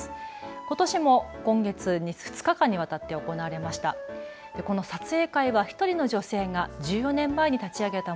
ことしも今月２日間にわたって行われました。